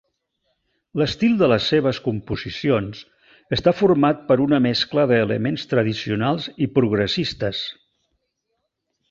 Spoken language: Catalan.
L'estil de les seves composicions està format per una mescla d'elements tradicionals i progressistes.